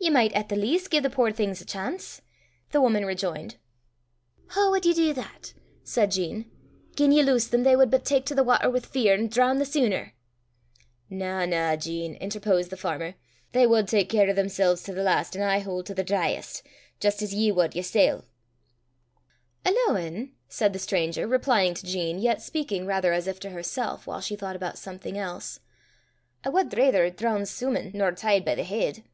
"Ye micht at the leest gie the puir things a chance," the woman rejoined. "Hoo wad ye dee that?" said Jean. "Gien ye lowsed them they wad but tak to the watter wi' fear, an' droon the seener." "Na, na, Jean," interposed the farmer, "they wad tak care o' themsel's to the last, an' aye haud to the dryest, jist as ye wad yersel'." "Allooin'," said the stranger, replying to Jean, yet speaking rather as if to herself, while she thought about something else, "I wad raither droon soomin' nor tied by the heid.